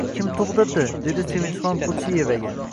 Kim tug`dirdi, dedi Sevinchixon Pulchieva